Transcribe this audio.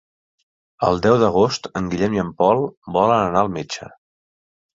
El deu d'agost en Guillem i en Pol volen anar al metge.